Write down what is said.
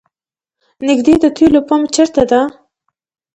نیږدې د تیلو پمپ چېرته ده؟